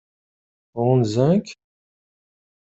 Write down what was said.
Ɣunzan-k?